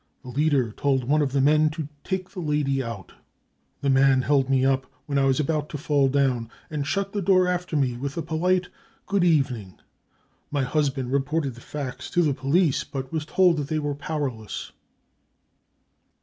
The leader told one of the men to c take the lady out . 5 The man held me up when I was about to fall down, and shut the door after me with a polite c Good evening ! 5 " My husband reported the facts to the police, but was told that they were powerless."